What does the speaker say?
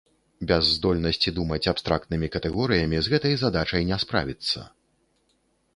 Без здольнасці думаць абстрактнымі катэгорыямі з гэтай задачай не справіцца.